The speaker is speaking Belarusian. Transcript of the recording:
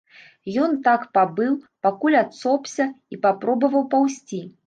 Ён так пабыў, пакуль адсопся і папробаваў паўзці.